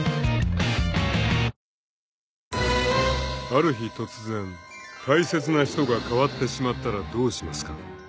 ［ある日突然大切な人が変わってしまったらどうしますか？］